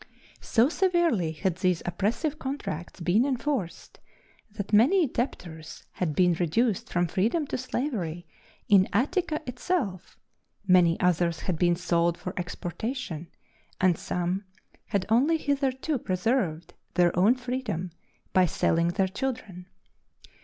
So severely had these oppressive contracts been enforced, that many debtors had been reduced from freedom to slavery in Attica itself, many others had been sold for exportation, and some had only hitherto preserved their own freedom by selling their children.